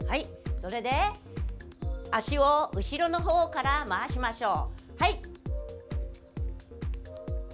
それで、脚を後ろのほうから回しましょう。